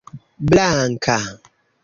blanka